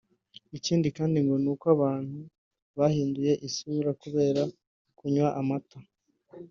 Ikindi kandi ngo ni uko abantu bahinduye isura kubera kunywa amata